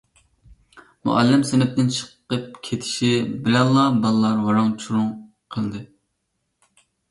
مۇئەللىم سىنىپتىن چىقىپ كېتىشى بىلەنلا، بالىلار ۋاراڭ-چۇرۇڭ قىلدى.